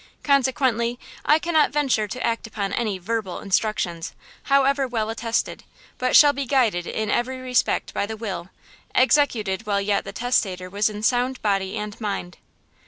Consequently, I cannot venture to act upon any 'verbal instructions,' however well attested, but shall be guided in every respect by the will, executed while yet the testator was in sound body and mind."